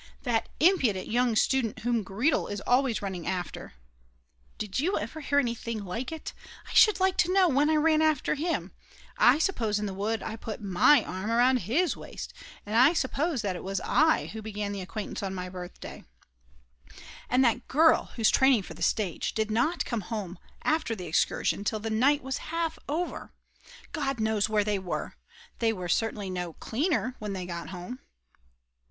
That impudent young student whom Gretel is always running after (did you ever hear anything like it! I should like to know when I ran after him; I suppose in the wood I put my arm round his waist, and I suppose that it was I who began the acquaintance on my birthday) and that girl who's training for the stage did not come home after the excursion till the night was half over. God knows where they were! They were certainly no cleaner when they got home.